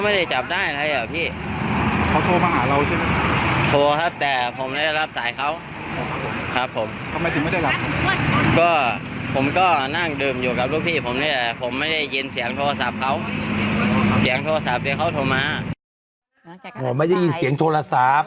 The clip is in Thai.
ผมได้ยินเสียงโทรศัพท์